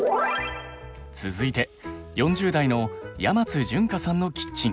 続いて４０代の山津潤香さんのキッチン。